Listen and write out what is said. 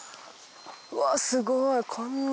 うわすごいこんな。